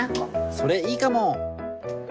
それいいかも。